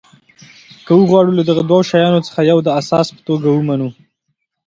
که وغواړو له دغو دوو شیانو څخه یو د اساس په توګه ومنو.